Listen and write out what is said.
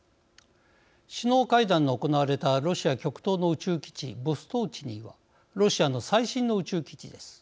首脳会談の行われたロシア極東の宇宙基地ボストーチヌイはロシアの最新の宇宙基地です。